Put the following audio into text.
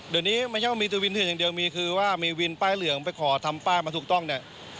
เดี๋ยวนี้ไม่ใช่ว่ามีตัววินเทือนอย่างเดียวมีคือว่ามีวินป้ายเหลืองไปขอทำป้ายมาถูกต้องเนี่ย